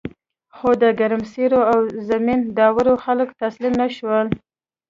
خو د ګرمسیر او زمین داور خلک تسلیم نشول.